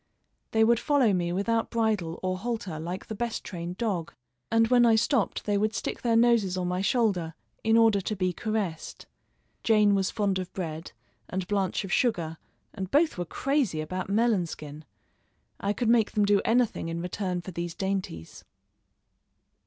They would follow me without bridle or halter like the best trained dog, and when I stopped they would stick their noses on my shoulder in order to be caressed. Jane was fond of bread, and Blanche of sugar, and both were crazy about melon skin. I could make them do anything in return for these dainties.